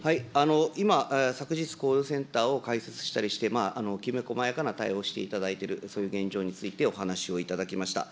今、昨日コールセンターを開設したりして、きめ細やかな対応をしていただいている、そういう現状についてお話をいただきました。